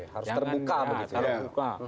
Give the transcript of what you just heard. harus terbuka begitu ya